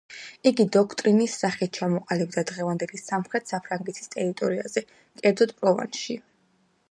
იგი დოქტრინის სახით ჩამოყალიბდა დღევანდელი სამხრეთ საფრანგეთის ტერიტორიაზე, კერძოდ პროვანსში.